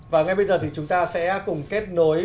và ngay bây giờ thì chúng ta sẽ cùng kết nối